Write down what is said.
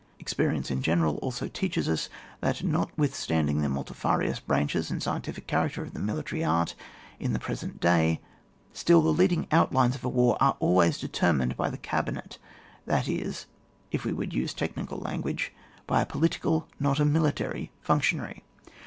Experience in general also teaches us that notwithstanding the multifarious branches and scientific character of military art in the pre sent day, still the leading outlines of a war are always determined by tLe cabinet, that is, if we would use teoli nical language, by a political not a mili tary functionary.